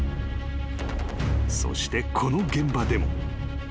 ［そしてこの現場でも］